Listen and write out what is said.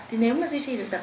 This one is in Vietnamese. thì nếu mà duy trì được tập